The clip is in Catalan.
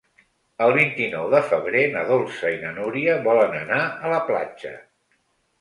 El vint-i-nou de febrer na Dolça i na Núria volen anar a la platja.